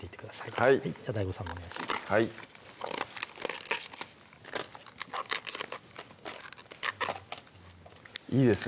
はいじゃあＤＡＩＧＯさんもお願いしますいいですね